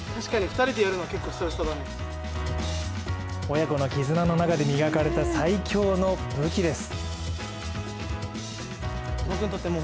親子の絆の中で磨かれた最強の武器です。